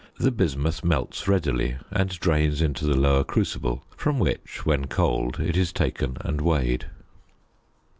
The bismuth melts readily and drains into the lower crucible from which, when cold, it is taken and weighed.